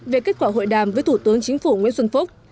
về kết quả hội đàm với thủ tướng chính phủ nguyễn xuân phúc